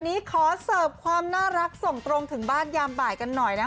นี้ขอเสิร์ฟความน่ารักส่งตรงถึงบ้านยามบ่ายกันหน่อยนะคะ